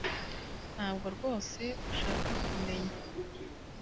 Ntabwo rwose ushaka kumenya